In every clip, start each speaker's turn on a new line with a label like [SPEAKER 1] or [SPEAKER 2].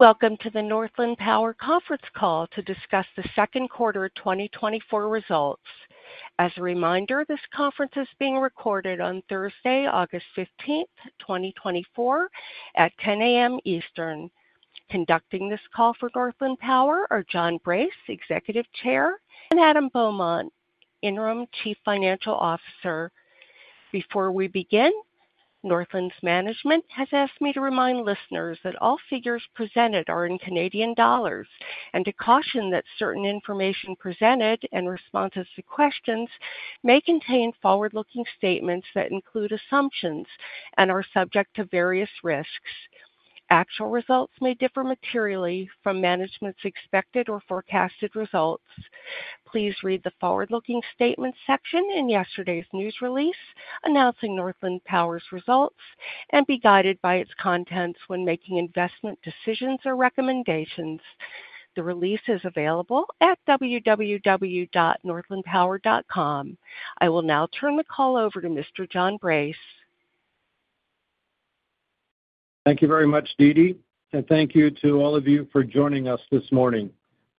[SPEAKER 1] Welcome to the Northland Power Conference Call to discuss the second quarter of 2024 results. As a reminder, this conference is being recorded on Thursday, August 15, 2024, at 10 A.M. Eastern. Conducting this call for Northland Power are John Brace, Executive Chair, and Adam Beaumont, Interim Chief Financial Officer. Before we begin, Northland's management has asked me to remind listeners that all figures presented are in Canadian dollars, and to caution that certain information presented and responses to questions may contain forward-looking statements that include assumptions and are subject to various risks. Actual results may differ materially from management's expected or forecasted results. Please read the forward-looking statements section in yesterday's news release announcing Northland Power's results, and be guided by its contents when making investment decisions or recommendations. The release is available at www.northlandpower.com. I will now turn the call over to Mr. John Brace.
[SPEAKER 2] Thank you very much, Didi, and thank you to all of you for joining us this morning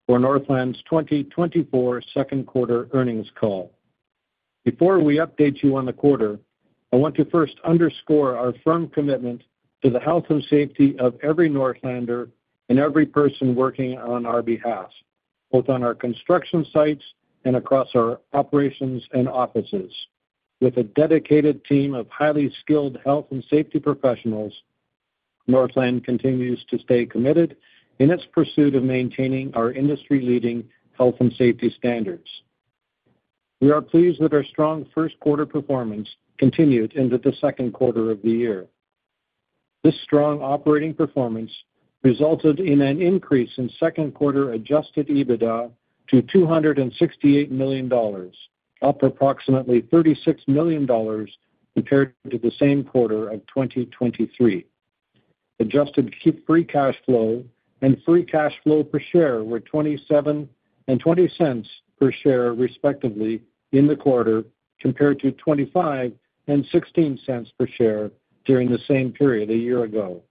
[SPEAKER 2] for Northland's 2024 second quarter earnings call. Before we update you on the quarter, I want to first underscore our firm commitment to the health and safety of every Northlander and every person working on our behalf, both on our construction sites and across our operations and offices. With a dedicated team of highly skilled health and safety professionals, Northland continues to stay committed in its pursuit of maintaining our industry-leading health and safety standards. We are pleased that our strong first quarter performance continued into the second quarter of the year. This strong operating performance resulted in an increase in second quarter Adjusted EBITDA to 268 million dollars, up approximately 36 million dollars compared to the same quarter of 2023. Adjusted free cash flow and free cash flow per share were 27 and 0.20 per share, respectively, in the quarter, compared to 25 and 0.16 per share during the same period a year ago.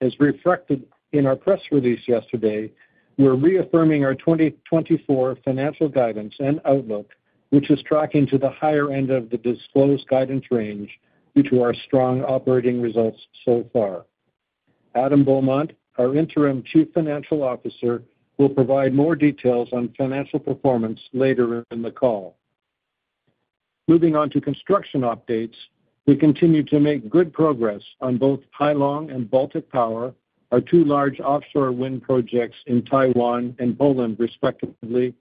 [SPEAKER 2] As reflected in our press release yesterday, we're reaffirming our 2024 financial guidance and outlook, which is tracking to the higher end of the disclosed guidance range due to our strong operating results so far. Adam Beaumont, our Interim Chief Financial Officer, will provide more details on financial performance later in the call. Moving on to construction updates, we continue to make good progress on both Hai Long and Baltic Power, our two large offshore wind projects in Taiwan and Poland, respectively,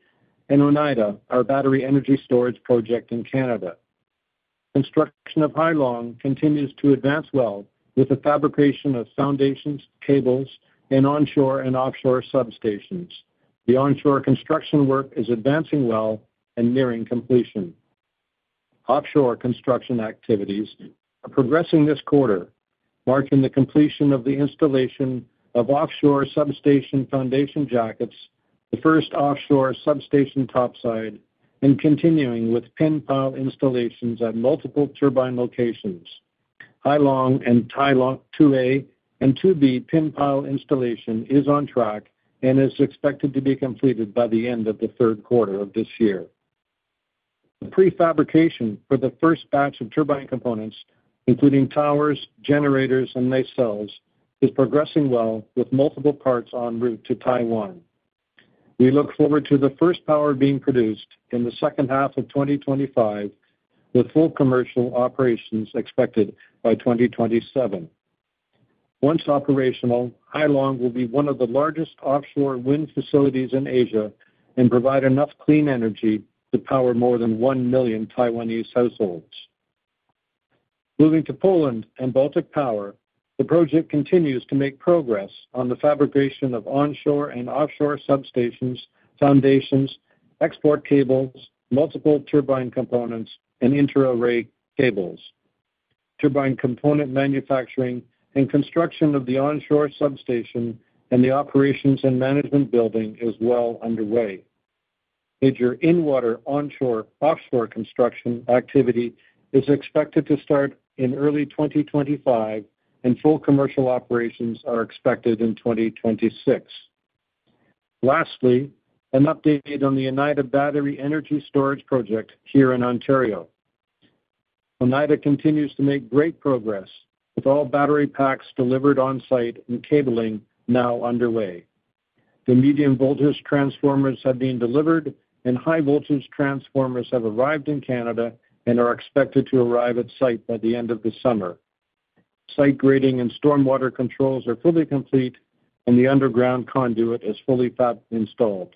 [SPEAKER 2] and Oneida, our battery energy storage project in Canada. Construction of Hai Long continues to advance well with the fabrication of foundations, cables, and onshore and offshore substations. The onshore construction work is advancing well and nearing completion. Offshore construction activities are progressing this quarter, marking the completion of the installation of offshore substation foundation jackets, the first offshore substation topside, and continuing with pin pile installations at multiple turbine locations. Hai Long and Hai Long 2A and 2B pin pile installation is on track and is expected to be completed by the end of the third quarter of this year. The prefabrication for the first batch of turbine components, including towers, generators, and nacelles, is progressing well, with multiple parts on route to Taiwan. We look forward to the first power being produced in the second half of 2025, with full commercial operations expected by 2027. Once operational, Hai Long will be one of the largest offshore wind facilities in Asia and provide enough clean energy to power more than 1 million Taiwanese households. Moving to Poland and Baltic Power, the project continues to make progress on the fabrication of onshore and offshore substations, foundations, export cables, multiple turbine components, and inter-array cables. Turbine component manufacturing and construction of the onshore substation and the operations and management building is well underway. Major in-water, onshore, offshore construction activity is expected to start in early 2025, and full commercial operations are expected in 2026. Lastly, an update on the Oneida Battery Energy Storage Project here in Ontario. Oneida continues to make great progress, with all battery packs delivered on-site and cabling now underway. The medium-voltage transformers have been delivered, and high-voltage transformers have arrived in Canada and are expected to arrive at site by the end of the summer. Site grading and stormwater controls are fully complete, and the underground conduit is fully installed.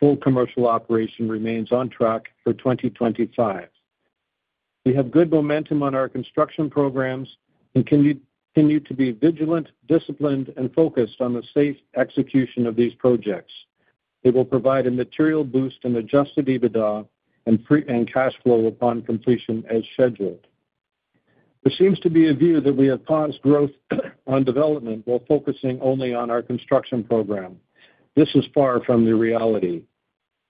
[SPEAKER 2] Full commercial operation remains on track for 2025. We have good momentum on our construction programs and continue to be vigilant, disciplined, and focused on the safe execution of these projects. It will provide a material boost in Adjusted EBITDA and Free Cash Flow upon completion as scheduled. There seems to be a view that we have paused growth on development while focusing only on our construction program. This is far from the reality...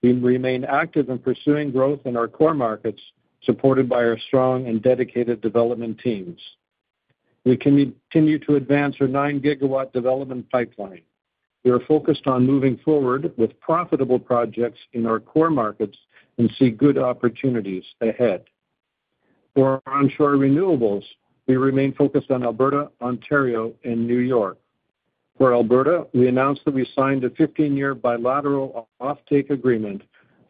[SPEAKER 2] We remain active in pursuing growth in our core markets, supported by our strong and dedicated development teams. We continue to advance our 9-GW development pipeline. We are focused on moving forward with profitable projects in our core markets and see good opportunities ahead. For our onshore renewables, we remain focused on Alberta, Ontario, and New York. For Alberta, we announced that we signed a 15-year bilateral offtake agreement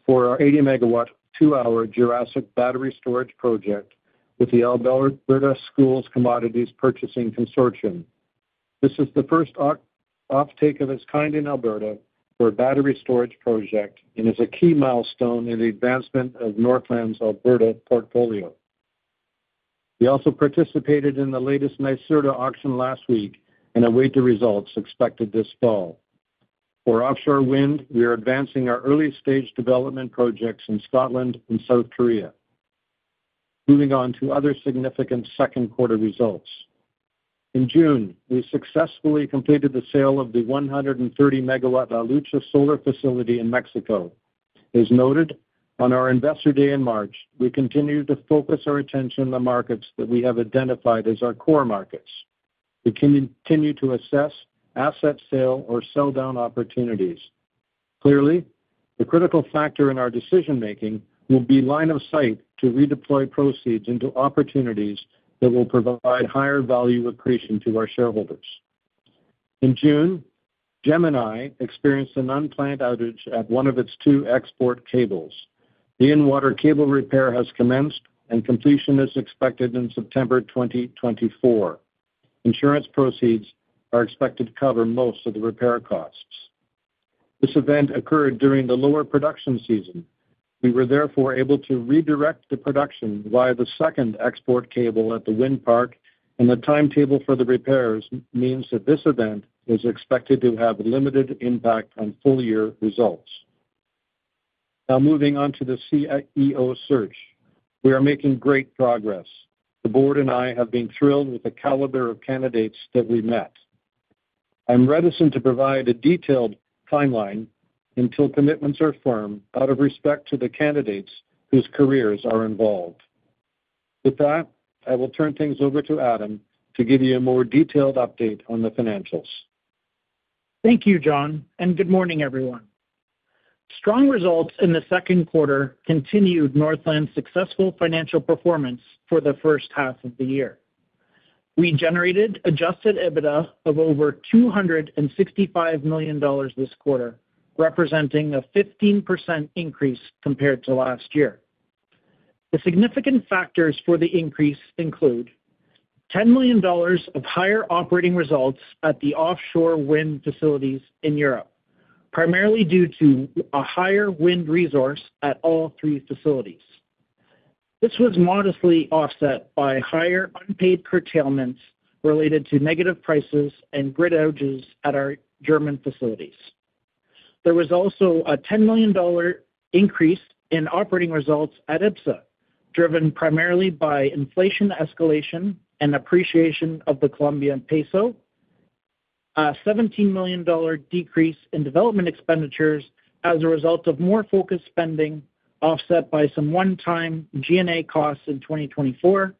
[SPEAKER 2] for our 80-megawatt, 2-hour Jurassic battery storage project with the Alberta Schools' Commodities Purchasing Consortium. This is the first offtake of its kind in Alberta for a battery storage project and is a key milestone in the advancement of Northland's Alberta portfolio. We also participated in the latest NYSERDA auction last week and await the results expected this fall. For offshore wind, we are advancing our early-stage development projects in Scotland and South Korea. Moving on to other significant second quarter results. In June, we successfully completed the sale of the 130-megawatt La Lucha Solar facility in Mexico. As noted on our Investor Day in March, we continue to focus our attention on the markets that we have identified as our core markets. We continue to assess asset sale or sell-down opportunities. Clearly, the critical factor in our decision-making will be line of sight to redeploy proceeds into opportunities that will provide higher value accretion to our shareholders. In June, Gemini experienced an unplanned outage at one of its two export cables. The in-water cable repair has commenced, and completion is expected in September 2024. Insurance proceeds are expected to cover most of the repair costs. This event occurred during the lower production season. We were therefore able to redirect the production via the second export cable at the wind park, and the timetable for the repairs means that this event is expected to have limited impact on full-year results. Now, moving on to the CEO search. We are making great progress. The board and I have been thrilled with the caliber of candidates that we met. I'm reticent to provide a detailed timeline until commitments are firm, out of respect to the candidates whose careers are involved. With that, I will turn things over to Adam to give you a more detailed update on the financials.
[SPEAKER 3] Thank you, John, and good morning, everyone. Strong results in the second quarter continued Northland's successful financial performance for the first half of the year. We generated Adjusted EBITDA of over 265 million dollars this quarter, representing a 15% increase compared to last year. The significant factors for the increase include: 10 million dollars of higher operating results at the offshore wind facilities in Europe, primarily due to a higher wind resource at all three facilities. This was modestly offset by higher unpaid curtailments related to negative prices and grid outages at our German facilities. There was also a 10 million dollar increase in operating results at EBSA, driven primarily by inflation escalation and appreciation of the Colombian peso, a 17 million dollar decrease in development expenditures as a result of more focused spending, offset by some one-time G&A costs in 2024,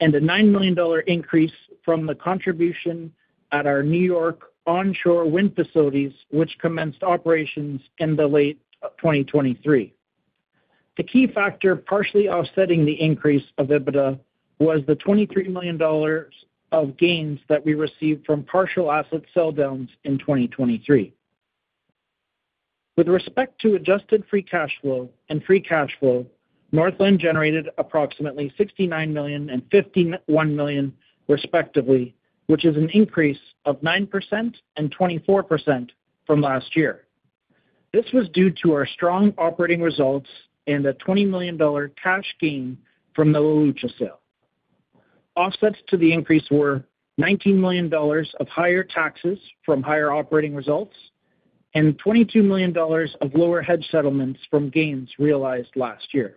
[SPEAKER 3] and a 9 million dollar increase from the contribution at our New York onshore wind facilities, which commenced operations in late 2023. The key factor partially offsetting the increase of EBITDA was the 23 million dollars of gains that we received from partial asset sell downs in 2023. With respect to adjusted free cash flow and free cash flow, Northland generated approximately 69 million and 51 million, respectively, which is an increase of 9% and 24% from last year. This was due to our strong operating results and a 20 million dollar cash gain from the La Lucha sale. Offsets to the increase were 19 million dollars of higher taxes from higher operating results and 22 million dollars of lower hedge settlements from gains realized last year.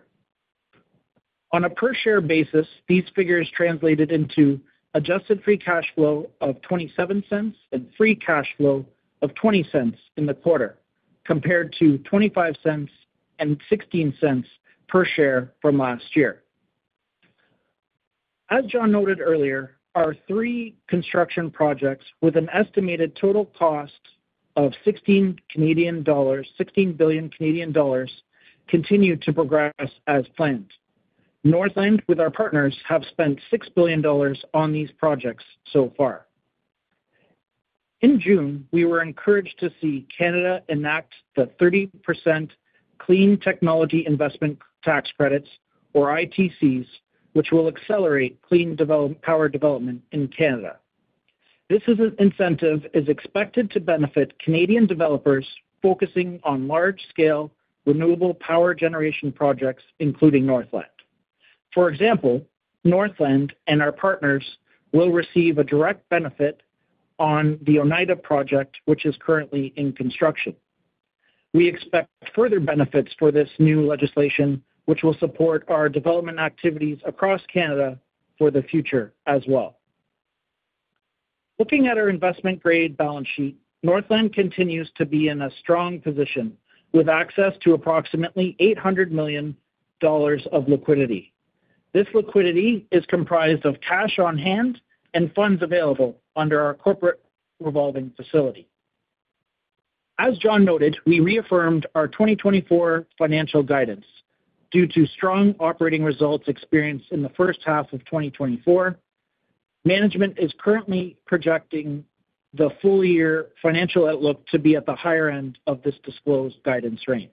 [SPEAKER 3] On a per-share basis, these figures translated into adjusted free cash flow of 0.27 and free cash flow of 0.20 in the quarter, compared to 0.25 and 0.16 per share from last year. As John noted earlier, our three construction projects, with an estimated total cost of 16 billion Canadian dollars, continue to progress as planned. Northland, with our partners, have spent 6 billion dollars on these projects so far. In June, we were encouraged to see Canada enact the 30% Clean Technology Investment Tax Credits, or ITCs, which will accelerate clean power development in Canada. This incentive is expected to benefit Canadian developers focusing on large-scale renewable power generation projects, including Northland. For example, Northland and our partners will receive a direct benefit on the Oneida project, which is currently in construction. We expect further benefits for this new legislation, which will support our development activities across Canada for the future as well. Looking at our investment-grade balance sheet, Northland continues to be in a strong position, with access to approximately 800 million dollars of liquidity. This liquidity is comprised of cash on hand and funds available under our corporate revolving facility. As John noted, we reaffirmed our 2024 financial guidance. Due to strong operating results experienced in the first half of 2024, management is currently projecting the full year financial outlook to be at the higher end of this disclosed guidance range.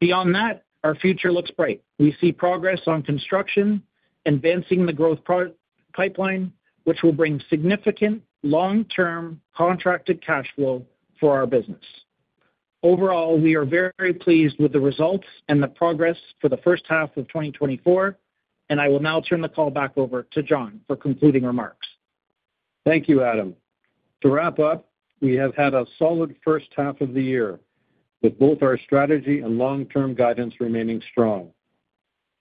[SPEAKER 3] Beyond that, our future looks bright. We see progress on construction, advancing the growth project pipeline, which will bring significant long-term contracted cash flow for our business. Overall, we are very pleased with the results and the progress for the first half of 2024, and I will now turn the call back over to John for concluding remarks.
[SPEAKER 2] Thank you, Adam. To wrap up, we have had a solid first half of the year, with both our strategy and long-term guidance remaining strong.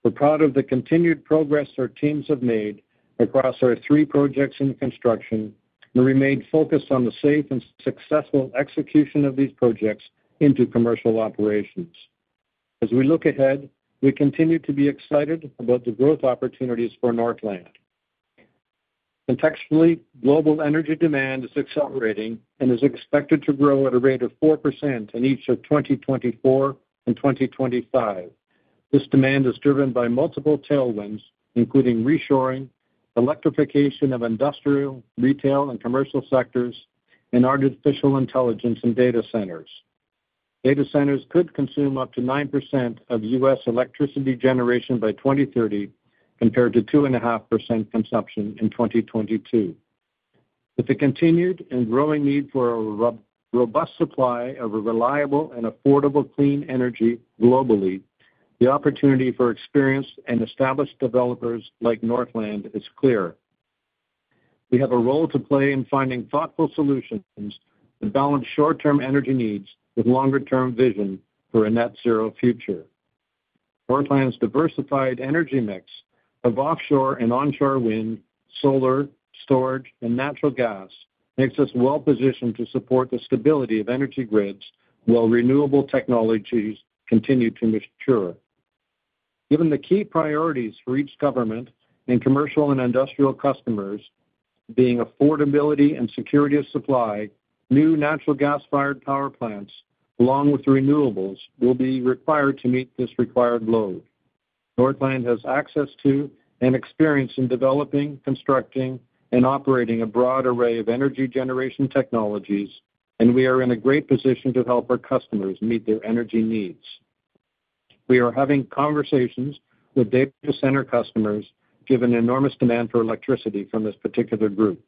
[SPEAKER 2] We're proud of the continued progress our teams have made across our three projects in construction, and we remain focused on the safe and successful execution of these projects into commercial operations. As we look ahead, we continue to be excited about the growth opportunities for Northland. Contextually, global energy demand is accelerating and is expected to grow at a rate of 4% in each of 2024 and 2025. This demand is driven by multiple tailwinds, including reshoring, electrification of industrial, retail, and commercial sectors, and artificial intelligence and data centers. Data centers could consume up to 9% of U.S. electricity generation by 2030, compared to 2.5% consumption in 2022. With the continued and growing need for a robust supply of a reliable and affordable clean energy globally, the opportunity for experienced and established developers like Northland is clear. We have a role to play in finding thoughtful solutions that balance short-term energy needs with longer-term vision for a net zero future. Northland's diversified energy mix of offshore and onshore wind, solar, storage, and natural gas makes us well-positioned to support the stability of energy grids while renewable technologies continue to mature. Given the key priorities for each government and commercial and industrial customers being affordability and security of supply, new natural gas-fired power plants, along with renewables, will be required to meet this required load. Northland has access to and experience in developing, constructing, and operating a broad array of energy generation technologies, and we are in a great position to help our customers meet their energy needs. We are having conversations with data center customers, given the enormous demand for electricity from this particular group.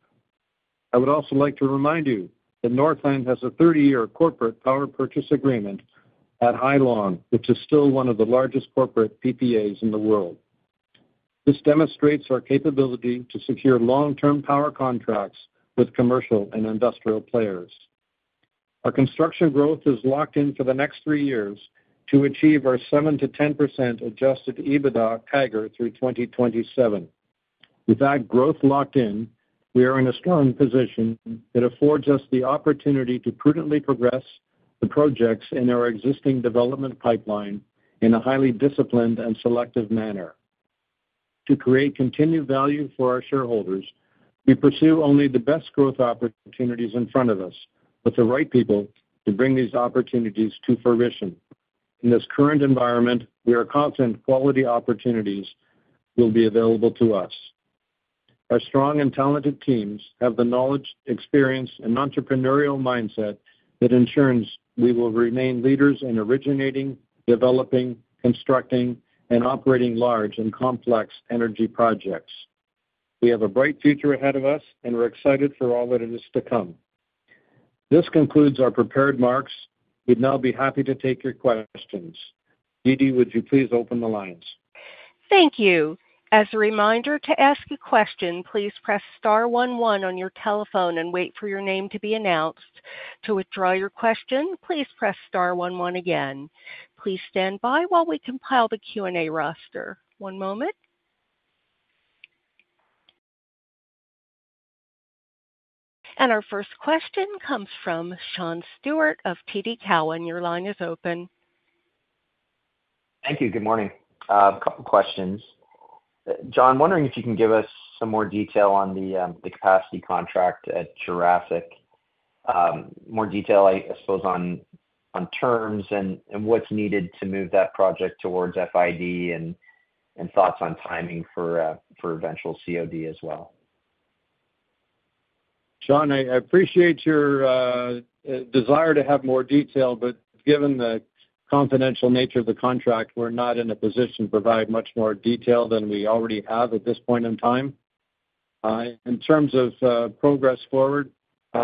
[SPEAKER 2] I would also like to remind you that Northland has a 30-year corporate power purchase agreement at Hai Long, which is still one of the largest corporate PPAs in the world. This demonstrates our capability to secure long-term power contracts with commercial and industrial players. Our construction growth is locked in for the next three years to achieve our 7%-10% Adjusted EBITDA CAGR through 2027. With that growth locked in, we are in a strong position that affords us the opportunity to prudently progress the projects in our existing development pipeline in a highly disciplined and selective manner. To create continued value for our shareholders, we pursue only the best growth opportunities in front of us, with the right people to bring these opportunities to fruition. In this current environment, we are confident quality opportunities will be available to us. Our strong and talented teams have the knowledge, experience, and entrepreneurial mindset that ensures we will remain leaders in originating, developing, constructing, and operating large and complex energy projects. We have a bright future ahead of us, and we're excited for all that is to come. This concludes our prepared remarks. We'd now be happy to take your questions. Didi, would you please open the lines?
[SPEAKER 1] Thank you. As a reminder, to ask a question, please press star one one on your telephone and wait for your name to be announced. To withdraw your question, please press star one one again. Please stand by while we compile the Q&A roster. One moment. Our first question comes from Sean Steuart of TD Cowen. Your line is open.
[SPEAKER 4] Thank you. Good morning. A couple questions. John, wondering if you can give us some more detail on the capacity contract at Jurassic. More detail, I suppose, on terms and what's needed to move that project towards FID and thoughts on timing for eventual COD as well?
[SPEAKER 2] Sean, I appreciate your desire to have more detail, but given the confidential nature of the contract, we're not in a position to provide much more detail than we already have at this point in time. In terms of progress forward,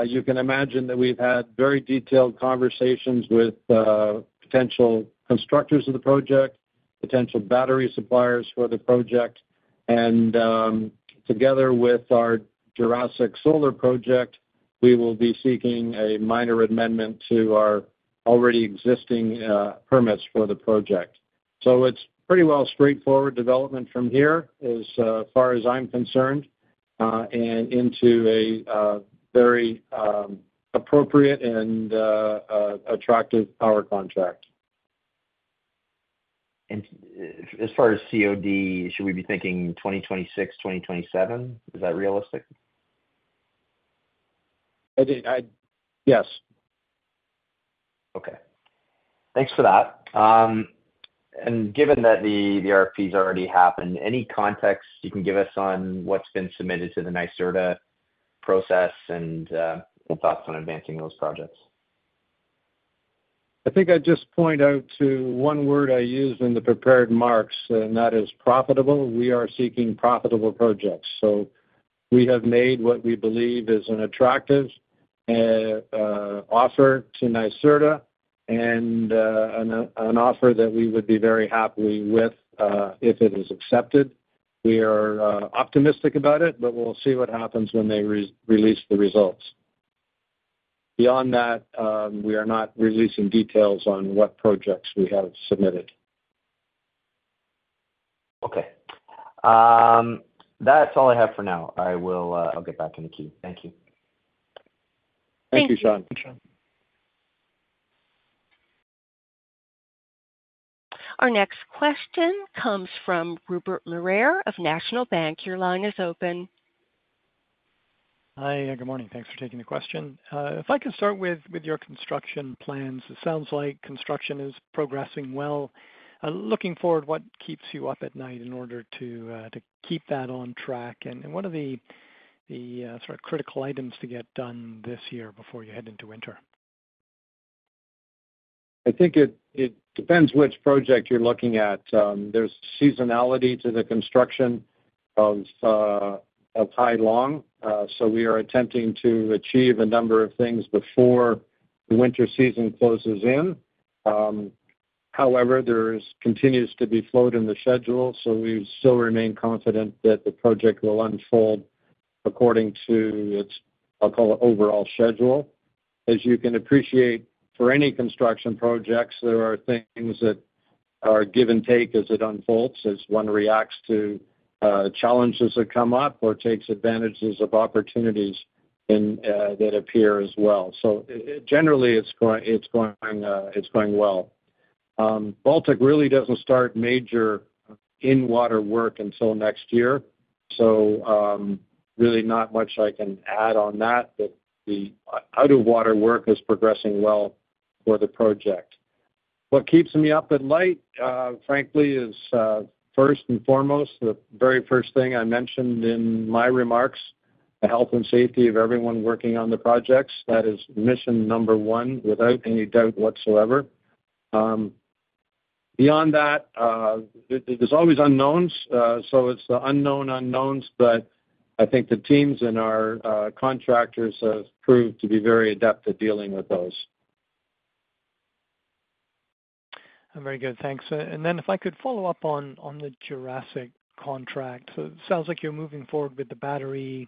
[SPEAKER 2] you can imagine that we've had very detailed conversations with potential constructors of the project, potential battery suppliers for the project, and together with our Jurassic Solar project, we will be seeking a minor amendment to our already existing permits for the project. So it's pretty well straightforward development from here, as far as I'm concerned, and into a very appropriate and attractive power contract.
[SPEAKER 4] As far as COD, should we be thinking 2026, 2027? Is that realistic?
[SPEAKER 2] I think. Yes.
[SPEAKER 4] Okay. Thanks for that. And given that the RFPs already happened, any context you can give us on what's been submitted to the NYSERDA process and your thoughts on advancing those projects?
[SPEAKER 2] I think I'd just point out to one word I used in the prepared marks, and that is profitable. We are seeking profitable projects. So we have made what we believe is an attractive offer to NYSERDA, and an offer that we would be very happily with if it is accepted. We are optimistic about it, but we'll see what happens when they re-release the results. Beyond that, we are not releasing details on what projects we have submitted.
[SPEAKER 4] Okay. That's all I have for now. I will, I'll get back in the queue. Thank you.
[SPEAKER 2] Thank you, Sean.
[SPEAKER 1] Thank you. Our next question comes from Rupert Merer of National Bank. Your line is open.
[SPEAKER 5] Hi, good morning. Thanks for taking the question. If I can start with your construction plans, it sounds like construction is progressing well. Looking forward, what keeps you up at night in order to keep that on track? And what are the sort of critical items to get done this year before you head into winter?
[SPEAKER 2] I think it depends which project you're looking at. There's seasonality to the construction of Hai Long, so we are attempting to achieve a number of things before the winter season closes in. However, there's continues to be float in the schedule, so we still remain confident that the project will unfold according to its, I'll call it, overall schedule. As you can appreciate, for any construction projects, there are things that are give and take as it unfolds, as one reacts to challenges that come up or takes advantages of opportunities in that appear as well. So generally, it's going well. Baltic really doesn't start major in-water work until next year, so really not much I can add on that. But the out-of-water work is progressing well for the project. What keeps me up at night, frankly, is first and foremost the very first thing I mentioned in my remarks, the health and safety of everyone working on the projects. That is mission number one, without any doubt whatsoever. Beyond that, there's always unknowns, so it's the unknown unknowns, but I think the teams and our contractors have proved to be very adept at dealing with those.
[SPEAKER 5] Very good. Thanks. And then if I could follow up on the Jurassic contract. So it sounds like you're moving forward with the battery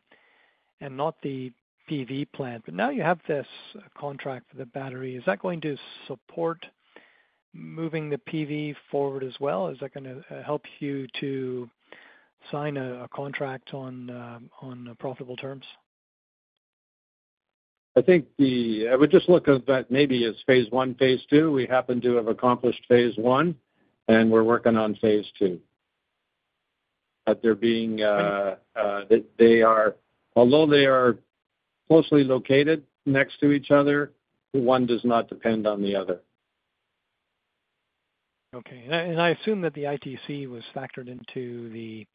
[SPEAKER 5] and not the PV plant, but now you have this contract for the battery. Is that going to support moving the PV forward as well? Is that gonna help you to sign a contract on profitable terms?
[SPEAKER 2] I think I would just look at that maybe as phase one, phase two. We happen to have accomplished phase one, and we're working on phase two. But although they are closely located next to each other, one does not depend on the other.
[SPEAKER 5] Okay. And I assume that the ITC was factored into the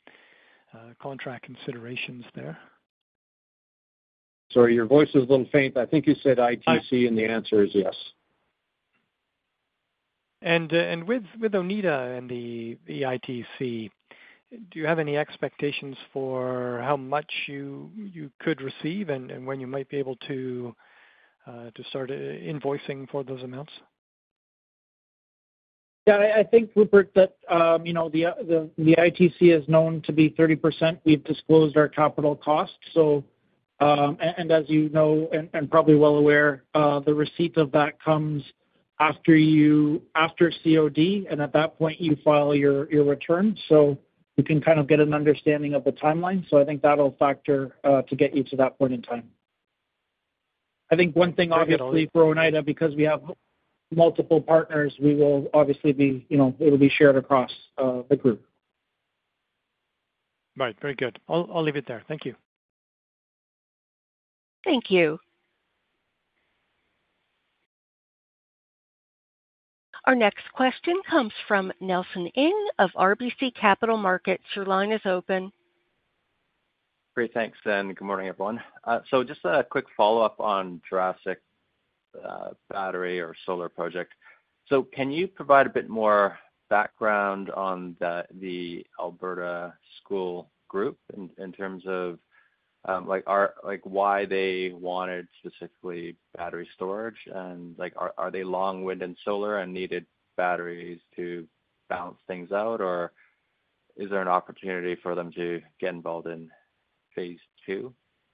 [SPEAKER 5] contract considerations there?
[SPEAKER 2] Sorry, your voice is a little faint. I think you said ITC, and the answer is yes.
[SPEAKER 5] And with Oneida and the ITC, do you have any expectations for how much you could receive and when you might be able to start invoicing for those amounts?
[SPEAKER 3] Yeah, I think, Rupert, that, you know, the ITC is known to be 30%. We've disclosed our capital costs. So, and as you know, and probably well aware, the receipt of that comes after COD, and at that point, you file your return. So you can kind of get an understanding of the timeline. So I think that'll factor to get you to that point in time. I think one thing, obviously, for Oneida, because we have multiple partners, we will obviously be, you know, it'll be shared across the group.
[SPEAKER 5] Right. Very good. I'll, I'll leave it there. Thank you.
[SPEAKER 1] Thank you. Our next question comes from Nelson Ng of RBC Capital Markets. Your line is open.
[SPEAKER 6] Great. Thanks, and good morning, everyone. So just a quick follow-up on Jurassic battery or solar project. So can you provide a bit more background on the Alberta School group in terms of, like, why they wanted specifically battery storage? And, like, are they long wind and solar and needed batteries to balance things out, or is there an opportunity for them to get involved in phase two?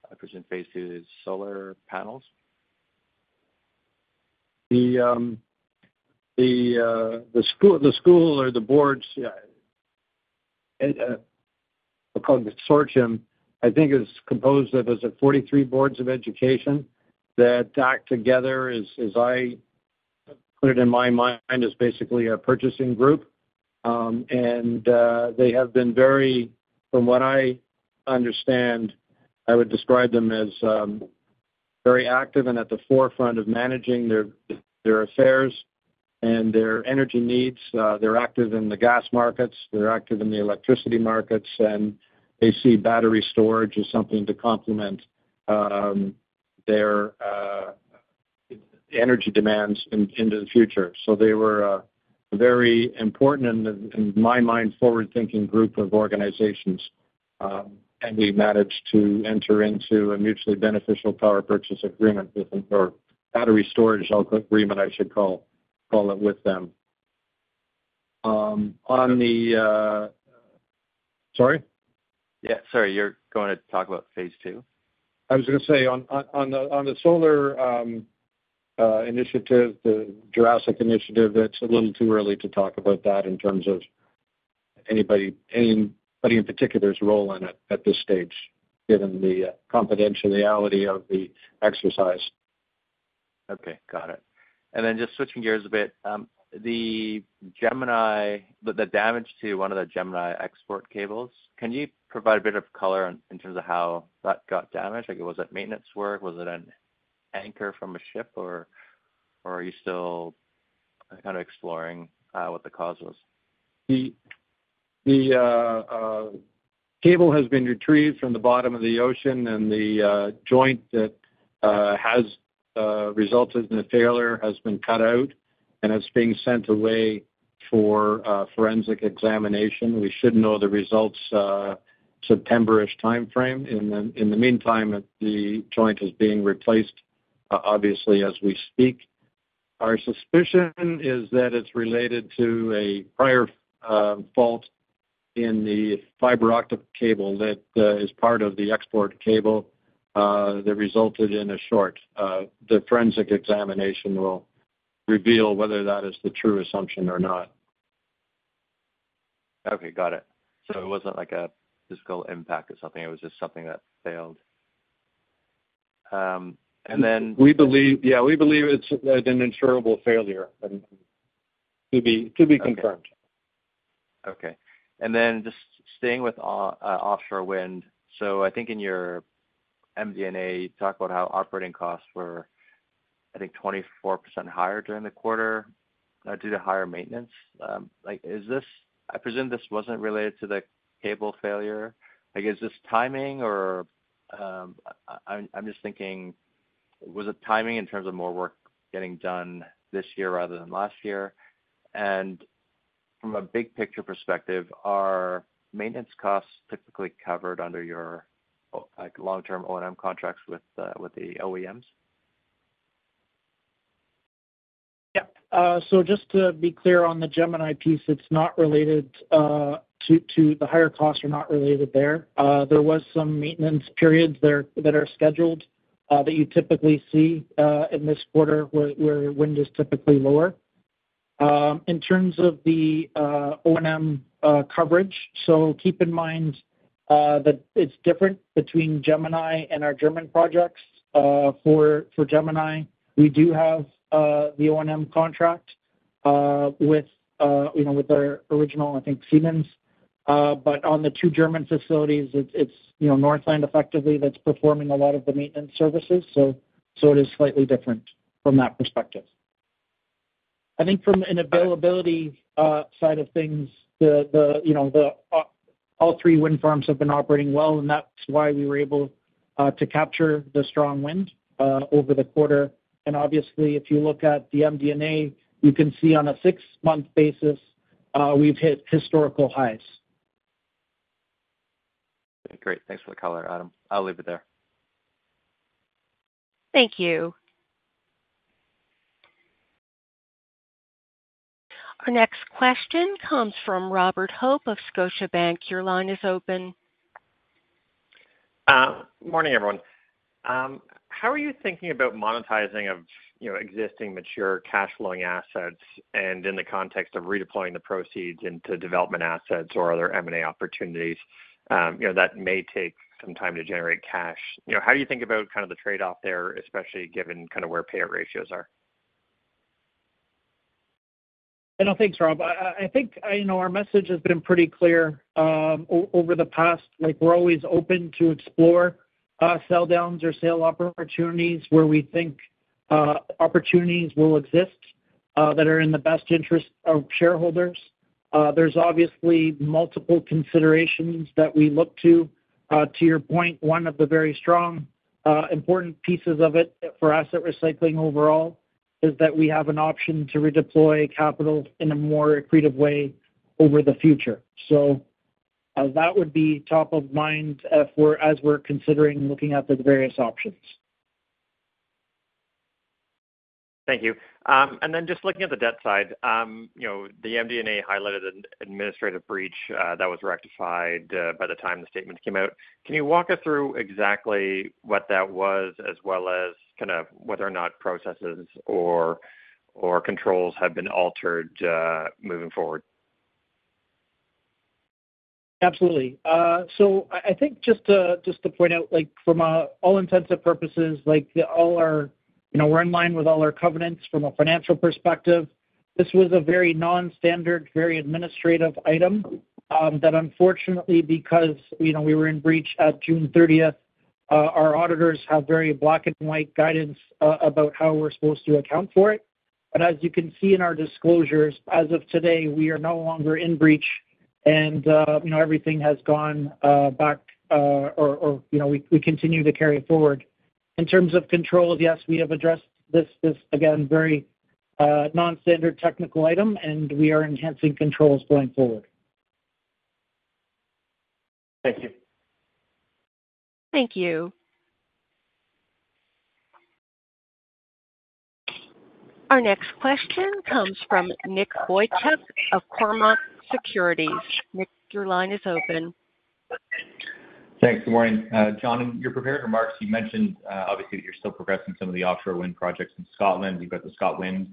[SPEAKER 6] I presume phase two is solar panels.
[SPEAKER 2] The school or the boards called the Consortium, I think, is composed of 43 boards of education that act together, as I put it in my mind, as basically a purchasing group. They have been very active. From what I understand, I would describe them as very active and at the forefront of managing their affairs and their energy needs. They're active in the gas markets, they're active in the electricity markets, and they see battery storage as something to complement their energy demands into the future. So they were very important in my mind, forward-thinking group of organizations. We managed to enter into a mutually beneficial power purchase agreement with them, or battery storage agreement, I should call it, with them. Sorry?
[SPEAKER 6] Yeah, sorry. You're going to talk about phase two?
[SPEAKER 2] I was gonna say, on the solar initiative, the Jurassic Initiative, it's a little too early to talk about that in terms of anybody in particular's role in it at this stage, given the confidentiality of the exercise.
[SPEAKER 6] Okay, got it. Just switching gears a bit. The damage to one of the Gemini export cables, can you provide a bit of color in terms of how that got damaged? Like, was it maintenance work? Was it an anchor from a ship, or are you still kind of exploring what the cause was?
[SPEAKER 2] The cable has been retrieved from the bottom of the ocean, and the joint that has resulted in a failure has been cut out, and it's being sent away for forensic examination. We should know the results September-ish timeframe. In the meantime, the joint is being replaced, obviously, as we speak. Our suspicion is that it's related to a prior fault in the fiber optic cable that is part of the export cable that resulted in a short. The forensic examination will reveal whether that is the true assumption or not.
[SPEAKER 6] Okay, got it. So it wasn't like a physical impact or something. It was just something that failed. And then-
[SPEAKER 2] We believe, yeah, we believe it's an insurable failure, but to be confirmed.
[SPEAKER 6] Okay. Then just staying with offshore wind. So I think in your MD&A, you talked about how operating costs were, I think, 24% higher during the quarter, due to higher maintenance. Like, is this—I presume this wasn't related to the cable failure. Like, is this timing or, I'm just thinking, was it timing in terms of more work getting done this year rather than last year? And from a big picture perspective, are maintenance costs typically covered under your, like, long-term O&M contracts with, with the OEMs?
[SPEAKER 3] Yeah. So just to be clear, on the Gemini piece, it's not related to the higher costs are not related there. There was some maintenance periods there that are scheduled that you typically see in this quarter, where wind is typically lower. In terms of the O&M coverage, so keep in mind that it's different between Gemini and our German projects. For Gemini, we do have the O&M contract with, you know, with our original, I think, Siemens. But on the two German facilities, it's, you know, Northland effectively that's performing a lot of the maintenance services. So it is slightly different from that perspective. I think from an availability side of things, you know, all three wind farms have been operating well, and that's why we were able to capture the strong wind over the quarter. And obviously, if you look at the MD&A, you can see on a six-month basis, we've hit historical highs.
[SPEAKER 6] Great. Thanks for the color, Adam. I'll leave it there.
[SPEAKER 1] Thank you. Our next question comes from Robert Hope of Scotiabank. Your line is open.
[SPEAKER 7] Morning, everyone. How are you thinking about monetizing of, you know, existing mature cash flowing assets, and in the context of redeploying the proceeds into development assets or other M&A opportunities, you know, that may take some time to generate cash? You know, how do you think about kind of the trade-off there, especially given kind of where payout ratios are?
[SPEAKER 3] You know, thanks, Rob. I think, you know, our message has been pretty clear, over the past, like, we're always open to explore sell downs or sale opportunities where we think opportunities will exist that are in the best interest of shareholders. There's obviously multiple considerations that we look to. To your point, one of the very strong important pieces of it for asset recycling overall is that we have an option to redeploy capital in a more accretive way over the future. So, that would be top of mind for as we're considering looking at the various options.
[SPEAKER 7] Thank you. And then just looking at the debt side, you know, the MD&A highlighted an administrative breach that was rectified by the time the statement came out. Can you walk us through exactly what that was, as well as kind of whether or not processes or, or controls have been altered moving forward?...
[SPEAKER 3] Absolutely. So I think just to point out, like for all intents and purposes, like all our, you know, we're in line with all our covenants from a financial perspective. This was a very non-standard, very administrative item that unfortunately, because, you know, we were in breach at June thirtieth, our auditors have very black and white guidance about how we're supposed to account for it. But as you can see in our disclosures, as of today, we are no longer in breach, and, you know, everything has gone back, or, you know, we continue to carry it forward. In terms of controls, yes, we have addressed this, again, very non-standard technical item, and we are enhancing controls going forward.
[SPEAKER 8] Thank you.
[SPEAKER 1] Thank you. Our next question comes from Nicholas Boychuk of Cormark Securities. Nick, your line is open.
[SPEAKER 9] Thanks. Good morning. John, in your prepared remarks, you mentioned, obviously, that you're still progressing some of the offshore wind projects in Scotland. You've got the ScotWind.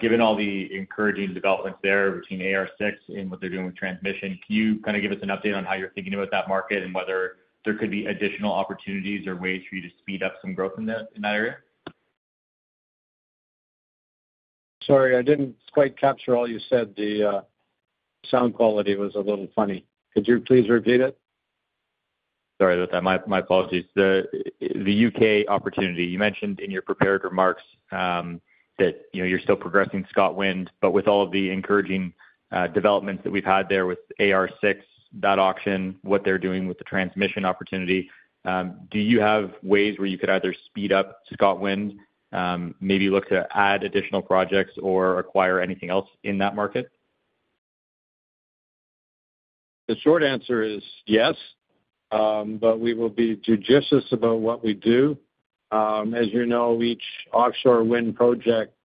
[SPEAKER 9] Given all the encouraging developments there between AR6 and what they're doing with transmission, can you kind of give us an update on how you're thinking about that market and whether there could be additional opportunities or ways for you to speed up some growth in that, in that area?
[SPEAKER 2] Sorry, I didn't quite capture all you said. The sound quality was a little funny. Could you please repeat it?
[SPEAKER 9] Sorry about that. My apologies. The U.K. opportunity you mentioned in your prepared remarks, that, you know, you're still progressing ScotWind, but with all of the encouraging developments that we've had there with AR6, that auction, what they're doing with the transmission opportunity, do you have ways where you could either speed up ScotWind, maybe look to add additional projects or acquire anything else in that market?
[SPEAKER 2] The short answer is yes. But we will be judicious about what we do. As you know, each offshore wind project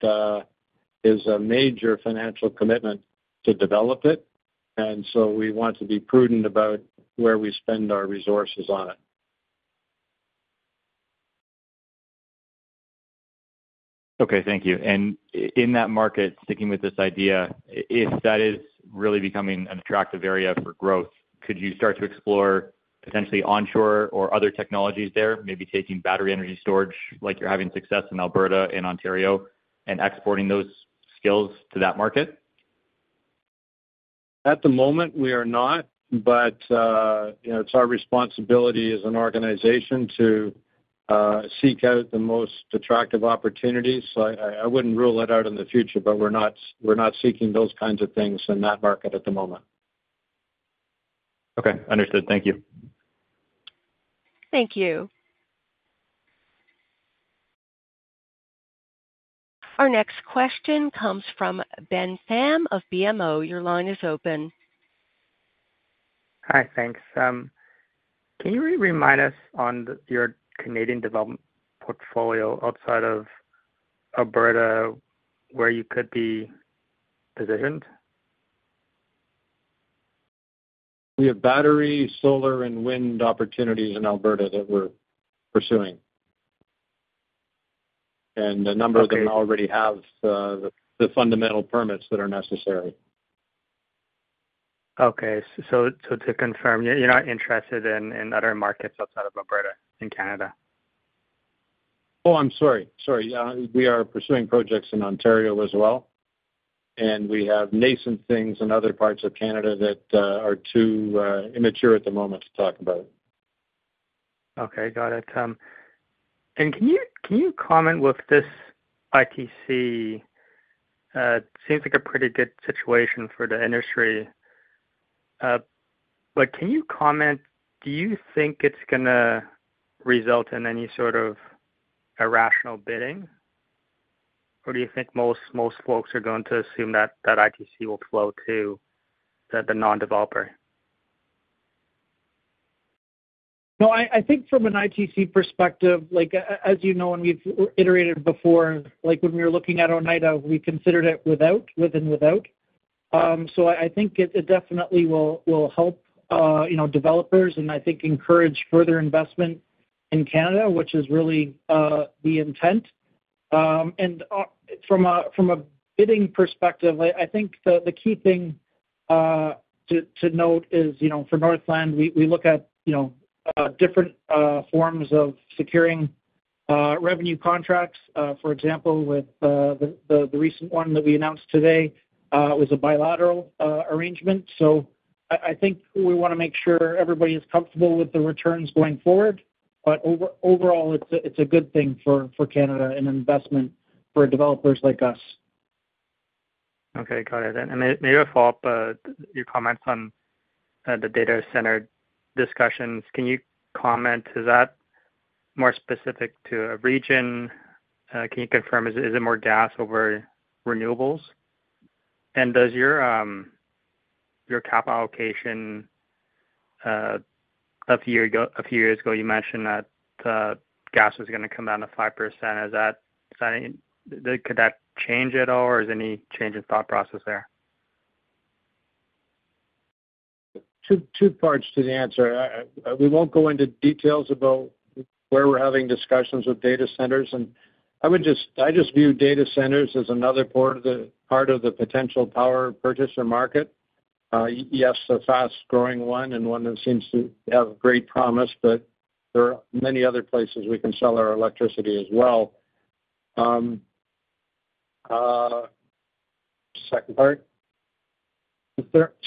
[SPEAKER 2] is a major financial commitment to develop it, and so we want to be prudent about where we spend our resources on it.
[SPEAKER 9] Okay, thank you. And in that market, sticking with this idea, if that is really becoming an attractive area for growth, could you start to explore potentially onshore or other technologies there? Maybe taking battery energy storage, like you're having success in Alberta and Ontario, and exporting those skills to that market?
[SPEAKER 2] At the moment, we are not, but you know, it's our responsibility as an organization to seek out the most attractive opportunities. So I wouldn't rule it out in the future, but we're not seeking those kinds of things in that market at the moment.
[SPEAKER 9] Okay, understood. Thank you.
[SPEAKER 1] Thank you. Our next question comes from Ben Pham of BMO. Your line is open.
[SPEAKER 8] Hi, thanks. Can you remind us on the, your Canadian development portfolio outside of Alberta, where you could be positioned?
[SPEAKER 2] We have battery, solar, and wind opportunities in Alberta that we're pursuing. A number of them-
[SPEAKER 8] Okay.
[SPEAKER 2] - already have the fundamental permits that are necessary.
[SPEAKER 8] Okay, so to confirm, you're not interested in other markets outside of Alberta, in Canada?
[SPEAKER 2] Oh, I'm sorry. Sorry, we are pursuing projects in Ontario as well, and we have nascent things in other parts of Canada that are too immature at the moment to talk about.
[SPEAKER 8] Okay, got it. And can you, can you comment with this ITC? It seems like a pretty good situation for the industry. But can you comment, do you think it's gonna result in any sort of irrational bidding? Or do you think most, most folks are going to assume that that ITC will flow to the, the non-developer?
[SPEAKER 3] No, I think from an ITC perspective, like as you know, and we've iterated before, like when we were looking at Oneida, we considered it without, with and without. So I think it definitely will help, you know, developers and I think encourage further investment in Canada, which is really the intent. And from a bidding perspective, I think the key thing to note is, you know, for Northland, we look at, you know, different forms of securing revenue contracts. For example, with the recent one that we announced today, was a bilateral arrangement. So I think we want to make sure everybody is comfortable with the returns going forward, but overall, it's a good thing for Canada and investment for developers like us.
[SPEAKER 8] Okay, got it. And maybe a follow-up, your comments on the data center discussions. Can you comment, is that more specific to a region? Can you confirm, is it more gas over renewables? And does your cap allocation, a few years ago, you mentioned that gas was gonna come down to 5%. Is that saying... Could that change at all, or is there any change in thought process there? ...
[SPEAKER 2] Two, two parts to the answer. We won't go into details about where we're having discussions with data centers, and I would just, I just view data centers as another part of the potential power purchaser market. Yes, a fast-growing one, and one that seems to have great promise, but there are many other places we can sell our electricity as well. Second part?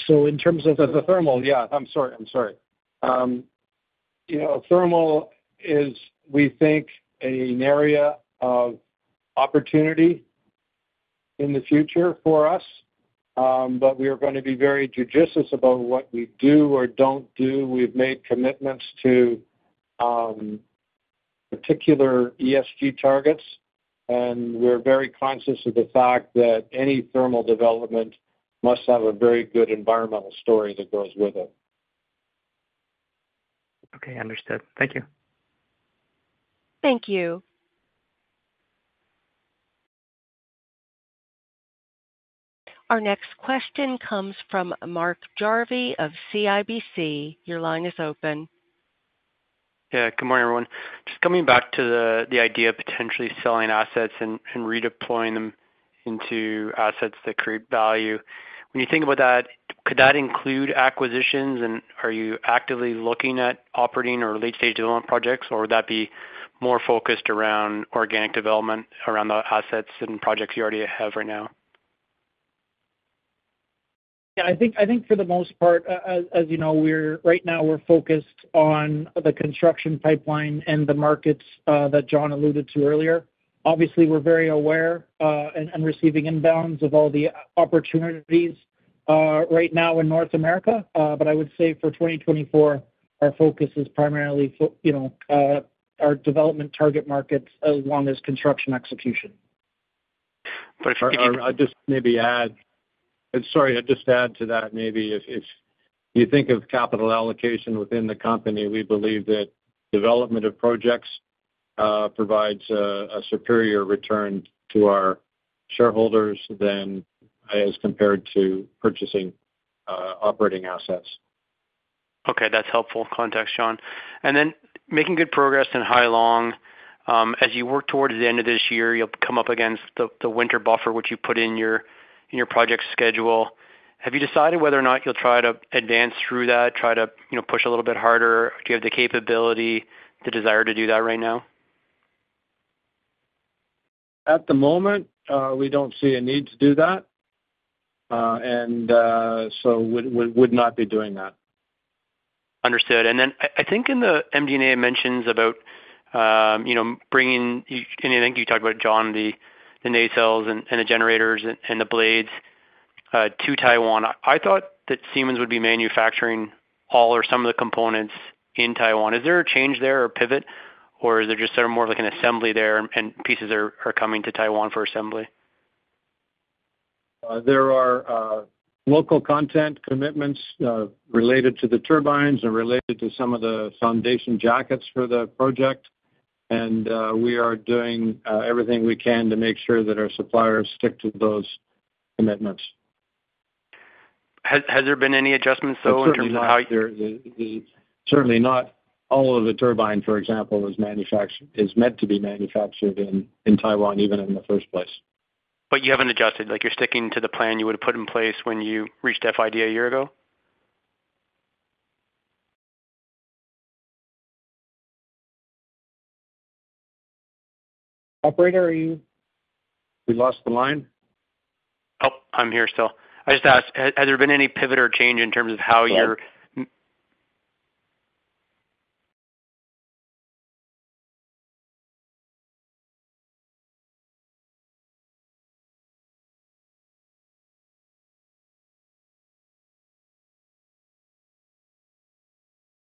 [SPEAKER 2] So in terms of the thermal, yeah, I'm sorry. You know, thermal is, we think, an area of opportunity in the future for us, but we are gonna be very judicious about what we do or don't do. We've made commitments to particular ESG targets, and we're very conscious of the fact that any thermal development must have a very good environmental story that goes with it.
[SPEAKER 6] Okay, understood. Thank you.
[SPEAKER 1] Thank you. Our next question comes from Mark Jarvi of CIBC. Your line is open.
[SPEAKER 10] Yeah, good morning, everyone. Just coming back to the idea of potentially selling assets and redeploying them into assets that create value. When you think about that, could that include acquisitions? And are you actively looking at operating or late-stage development projects, or would that be more focused around organic development, around the assets and projects you already have right now?
[SPEAKER 3] Yeah, I think, I think for the most part, as, as you know, we're right now we're focused on the construction pipeline and the markets that John alluded to earlier. Obviously, we're very aware and receiving inbounds of all the opportunities right now in North America. But I would say for 2024, our focus is primarily you know our development target markets, as long as construction execution.
[SPEAKER 10] But if you can-
[SPEAKER 2] I'll just maybe add... Sorry, I'd just add to that, maybe if, if you think of capital allocation within the company, we believe that development of projects provides a superior return to our shareholders than as compared to purchasing operating assets.
[SPEAKER 10] Okay, that's helpful context, John. And then, making good progress in Hai Long. As you work towards the end of this year, you'll come up against the winter buffer, which you put in your project schedule. Have you decided whether or not you'll try to advance through that, try to, you know, push a little bit harder? Do you have the capability, the desire to do that right now?
[SPEAKER 2] At the moment, we don't see a need to do that, and so we would not be doing that.
[SPEAKER 10] Understood. And then I think in the MD&A mentions about, you know, bringing, you and I think you talked about, John, the nacelles and the generators and the blades to Taiwan. I thought that Siemens would be manufacturing all or some of the components in Taiwan. Is there a change there or a pivot, or is there just sort of more of, like, an assembly there, and pieces are coming to Taiwan for assembly?
[SPEAKER 2] There are local content commitments related to the turbines and related to some of the foundation jackets for the project. And we are doing everything we can to make sure that our suppliers stick to those commitments.
[SPEAKER 10] Has there been any adjustments, though, in terms of how you-
[SPEAKER 2] But certainly not all of the turbine, for example, was manufactured... is meant to be manufactured in Taiwan, even in the first place.
[SPEAKER 10] But you haven't adjusted, like, you're sticking to the plan you would have put in place when you reached FID a year ago?
[SPEAKER 2] Operator, are you-- We lost the line?
[SPEAKER 10] Oh, I'm here still. I just asked, has there been any pivot or change in terms of how you're-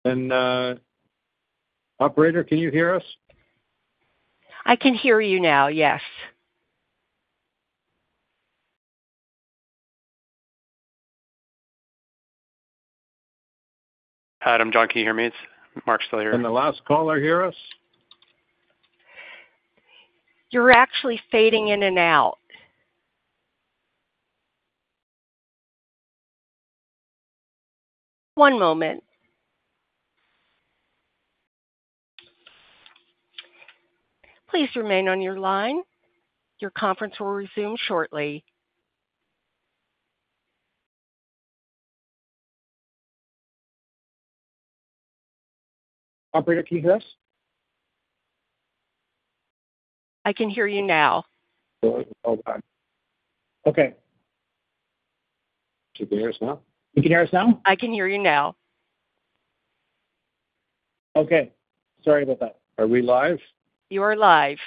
[SPEAKER 2] Operator, can you hear us?
[SPEAKER 1] I can hear you now. Yes.
[SPEAKER 10] Hi, John, can you hear me? It's Mark still here.
[SPEAKER 2] Can the last caller hear us?
[SPEAKER 1] You're actually fading in and out. One moment. Please remain on your line. Your conference will resume shortly.
[SPEAKER 2] Operator, can you hear us?
[SPEAKER 1] I can hear you now.
[SPEAKER 2] Oh, okay. Can you hear us now?
[SPEAKER 3] You can hear us now?
[SPEAKER 1] I can hear you now.
[SPEAKER 3] Okay. Sorry about that.
[SPEAKER 2] Are we live?
[SPEAKER 1] You are live.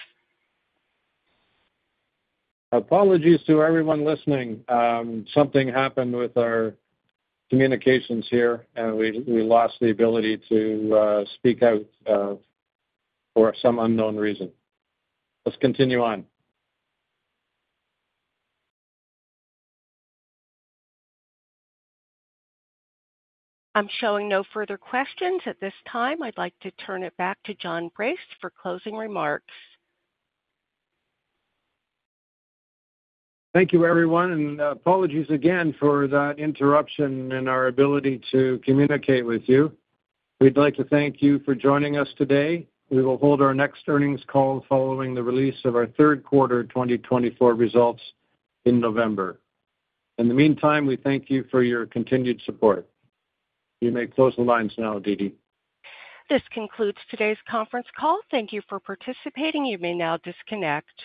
[SPEAKER 2] Apologies to everyone listening. Something happened with our communications here, and we lost the ability to speak out for some unknown reason. Let's continue on.
[SPEAKER 1] I'm showing no further questions. At this time, I'd like to turn it back to John Brace for closing remarks.
[SPEAKER 2] Thank you, everyone, and apologies again for that interruption in our ability to communicate with you. We'd like to thank you for joining us today. We will hold our next earnings call following the release of our third quarter 2024 results in November. In the meantime, we thank you for your continued support. You may close the lines now, Didi.
[SPEAKER 1] This concludes today's conference call. Thank you for participating. You may now disconnect.